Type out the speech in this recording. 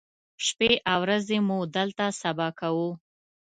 شپې او ورځې مو دلته سبا کوو.